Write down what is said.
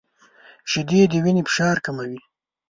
• شیدې د وینې فشار کموي.